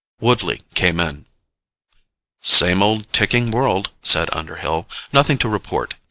Woodley came in. "Same old ticking world," said Underhill. "Nothing to report.